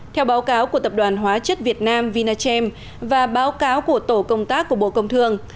theo báo cáo của tập đoàn hóa chất việt nam vinachem và báo cáo của tổ công tác của bộ công thương